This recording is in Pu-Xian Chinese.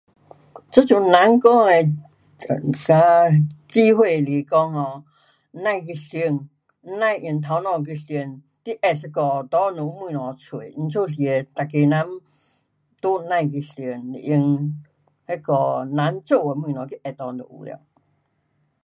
现在人说机会是说不需要选，不需要用大脑去选你按一下里面有东西就会出，所以每个人都不需要选，人做的东西按就有了